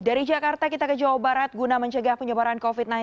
dari jakarta kita ke jawa barat guna mencegah penyebaran covid sembilan belas